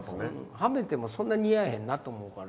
はめてもそんな似合えへんなと思うから。